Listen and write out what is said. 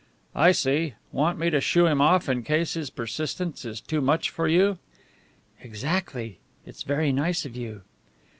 "I see. Want me to shoo him off in case his persistence is too much for you." "Exactly. It's very nice of you."